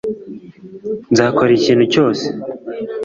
nzakora ikintu cyose